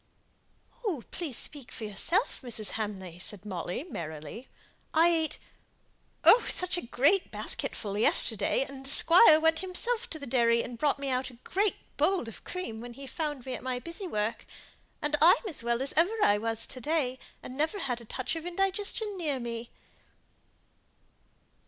"Please speak for yourself, Mrs. Hamley," said Molly, merrily. "I ate oh, such a great basketful yesterday, and the squire went himself to the dairy and brought out a great bowl of cream, when he found me at my busy work. And I'm as well as ever I was, to day, and never had a touch of indigestion near me."